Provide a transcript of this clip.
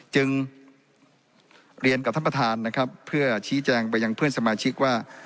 จึงเรียนกับท่านประธานนะครับเพื่อชี้แจงไปยังเพื่อนสมาชิกว่า